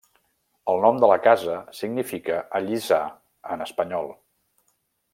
El nom de la casa significa allisar en espanyol.